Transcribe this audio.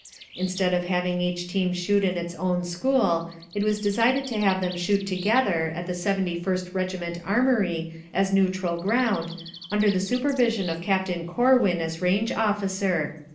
Instead of having each team shoot in its own school it was decided to have them shoot together at the Seventy first Regiment Armory as neutral ground, under the supervision of Captain Corwin as range officer.